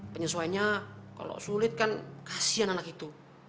penyesuaiannya kalau sulit kan kasian anak itu